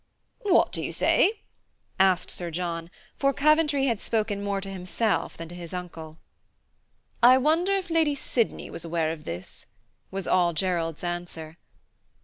"What do you say?" asked Sir John, for Coventry had spoken more to himself than to his uncle. "I wonder if Lady Sydney was aware of this?" was all Gerald's answer.